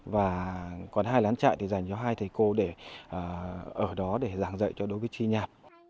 và còn hai lán trại thì dành cho hai thầy cô để ở đó để giảng dạy cho đối với chi nhánh